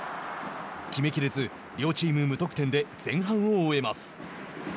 決め切れず両チーム無得点で前半を終えます。